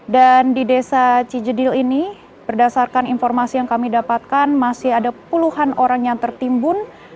dan di desa cijedil ini berdasarkan informasi yang kami dapatkan masih ada puluhan orang yang tertimbun